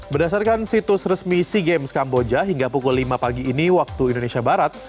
berdasarkan situs resmi sea games kamboja hingga pukul lima pagi ini waktu indonesia barat